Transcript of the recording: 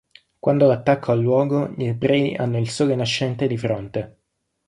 Quando l'attacco ha luogo, gli ebrei hanno il sole nascente di fronte.